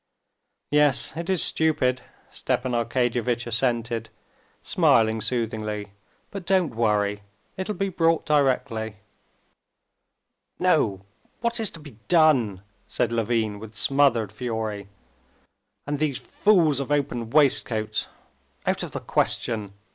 "Yes, it is stupid," Stepan Arkadyevitch assented, smiling soothingly. "But don't worry, it'll be brought directly." "No, what is to be done!" said Levin, with smothered fury. "And these fools of open waistcoats! Out of the question!"